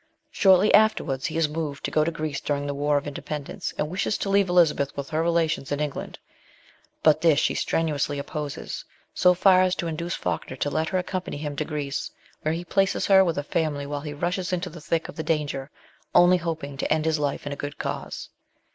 Shortly afterwards, he is moved to go to Greece during the War of Independence, and wishes to leave Elizabeth with her relations in England ; but this she strenuously opposes so far as to induce Falkner to let her accompany him to Greece, where he places her with a family while he rushes into the thick of the danger, only hoping to end his life in a good cause.